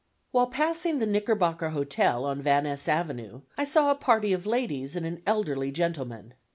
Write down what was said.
While passing the Knickerbocker Hotel, on Van Ness Avenue, I saw a party of ladies and an elderly gentleman.